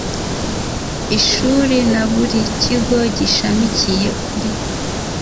ishuri na buri kigo gishamikiye kuri